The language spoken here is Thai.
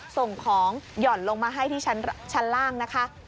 ส่งของหย่อนลงมาให้ที่ชั้นล่างนะคะ